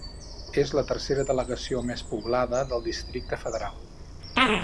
És la tercera delegació més poblada del Districte Federal.